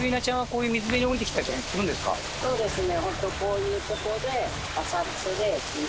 そうですね